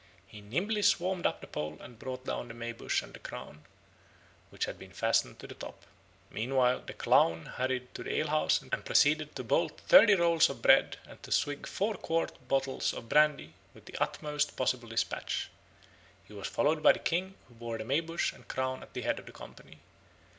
He nimbly swarmed up the pole and brought down the May bush and the crown, which had been fastened to the top. Meanwhile the clown hurried to the alehouse and proceeded to bolt thirty rolls of bread and to swig four quart bottles of brandy with the utmost possible despatch. He was followed by the king, who bore the May bush and crown at the head of the company.